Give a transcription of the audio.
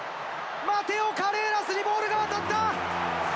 マテオ・カレーラスにボールが渡った。